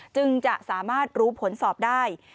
จึงจะสามารถรู้ผลสอบได้